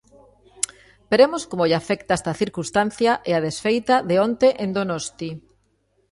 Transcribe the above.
Veremos como lle afecta esta circunstancia e a desfeita de onte en Donosti.